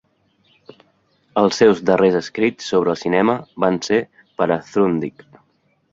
Els seus darrers escrits sobre cinema van ser per a Truthdig.